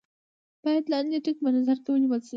باید لاندې ټکي په نظر کې ونیول شي.